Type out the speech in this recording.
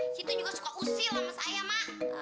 situ juga suka usil ama saya ma